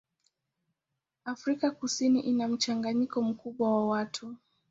Afrika Kusini ina mchanganyiko mkubwa wa watu.